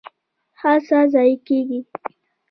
هڅه ضایع کیږي؟